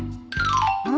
うん？